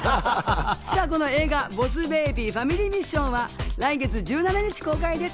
映画『ボス・ベイビーファミリー・ミッション』は来月１７日公開です。